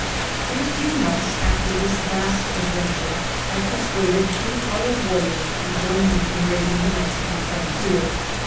In a few months after this last adventure I persuaded two other warriors to join me in raiding the Mexican frontier.